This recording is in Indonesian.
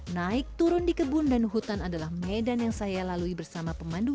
naik turun di kebun dan hutan adalah medan yang saya lalui bersama pemandu